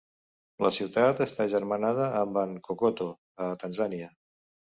La ciutat està agermanada amb Nkokoto, a Tanzània.